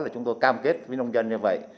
chúng tôi cam kết với nông dân như vậy